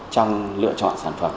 trong lựa chọn sản phẩm